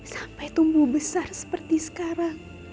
sampai tumbuh besar seperti sekarang